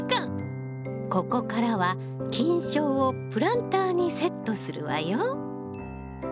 ここからは菌床をプランターにセットするわよ。